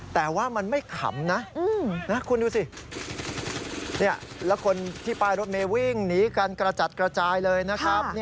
แต่ว่ามันไม่ขำนะคุณดูสิแล้วคนที่ป้ายรถเมย์วิ่งหนีกันกระจัดกระจายเลยนะครับ